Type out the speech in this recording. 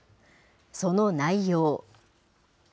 その内容。